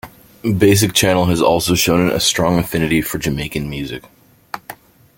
Basic Channel has also shown a strong affinity for Jamaican music.